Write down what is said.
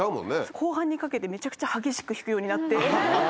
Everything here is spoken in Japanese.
後半にかけてめちゃくちゃ激しく弾くようになって。